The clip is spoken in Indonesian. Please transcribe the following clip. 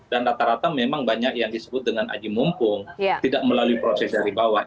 dan rata rata memang banyak yang disebut dengan aji mumpung tidak melalui proses dari bawah